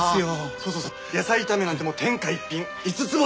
そうそうそう野菜炒めなんてもう天下一品五つ星です！